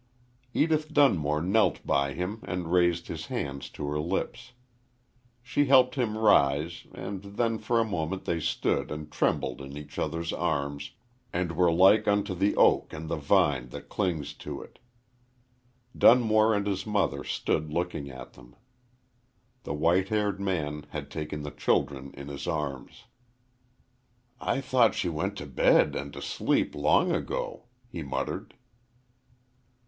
Edith Dunmore knelt by him and raised his hands to her lips. She helped him rise, and then for a moment they stood and trembled in each other's arms, and were like unto the oak and the vine that clings to it. Dunmore and his mother stood looking at them. The white haired man had taken the children in his arms. "I thought she went to bed and to sleep long ago," he muttered.